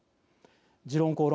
「時論公論」